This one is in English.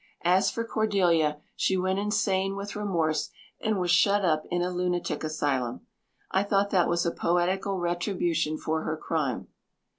As for Cordelia, she went insane with remorse and was shut up in a lunatic asylum. I thought that was a poetical retribution for her crime."